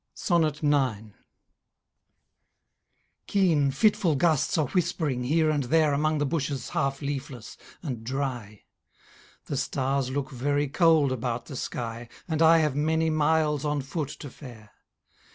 Keen, fitful gusts are whisp'ring here and there Among the bushes half leafless, and dry; The stars look very cold about the sky, And I have many miles on foot to fare.